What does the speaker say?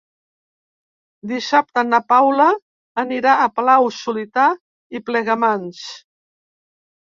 Dissabte na Paula anirà a Palau-solità i Plegamans.